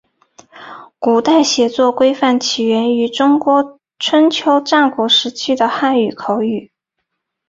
古代写作规范起源自中国春秋战国时期的汉语口语。